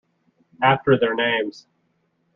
after their names.